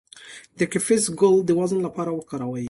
د کرفس ګل د وزن لپاره وکاروئ